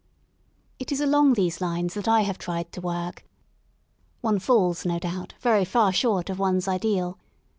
It is along these lines that I have tried to work; one Calls, no doubt very far short of one^s ideal.